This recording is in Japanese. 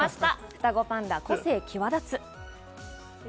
双子パンダ、個性際立つ。